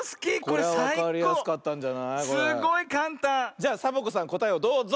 じゃサボ子さんこたえをどうぞ！